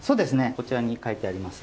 こちらに書いてあります